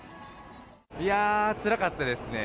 いやー、つらかったですね。